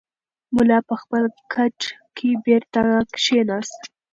ملا په خپل کټ کې بېرته کښېناست.